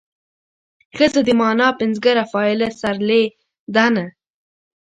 ښځه د مانا پنځګره فاعله سرلې ده نه